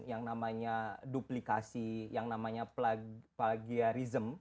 yang namanya duplikasi yang namanya plagiarism